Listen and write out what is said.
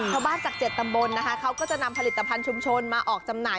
จาก๗ตำบลนะคะเขาก็จะนำผลิตภัณฑ์ชุมชนมาออกจำหน่าย